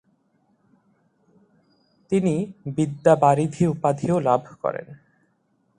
তিনি ‘বিদ্যাবারিধি’ উপাধিও লাভ করেন।